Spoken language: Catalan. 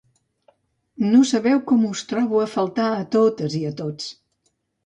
No sabeu com us trobo a faltar a totes i a tots.